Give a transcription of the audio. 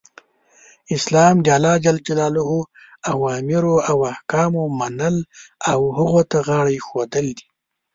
اسلام د الله ج اوامرو او احکامو منل او هغو ته غاړه ایښودل دی .